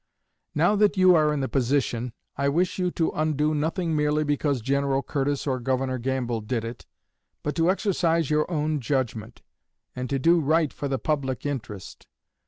Now that you are in the position, I wish you to undo nothing merely because General Curtis or Governor Gamble did it, but to exercise your own judgment, and do right for the public interest.